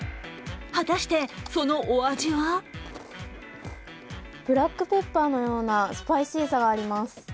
果たして、そのお味はブラックペッパーのようなスパイシーさがあります。